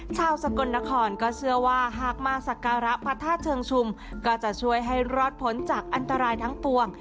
สกลนครก็เชื่อว่าหากมาสักการะพระธาตุเชิงชุมก็จะช่วยให้รอดผลจากอันตรายทั้งปวง